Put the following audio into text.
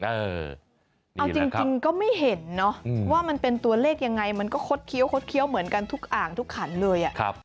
เอาจริงก็ไม่เห็นเนาะว่ามันเป็นตัวเลขยังไงมันก็คดเคี้ยคดเคี้ยวเหมือนกันทุกอ่างทุกขันเลย